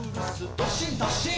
どっしんどっしん」